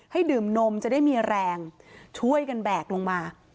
ดื่มนมจะได้มีแรงช่วยกันแบกลงมา